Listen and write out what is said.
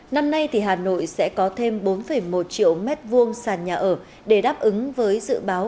năm nay hà nội sẽ có thêm bốn một triệu m hai sàn nhà ở để đáp ứng với dự báo